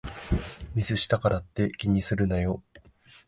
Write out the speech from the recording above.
ミスしたからって気にするなよ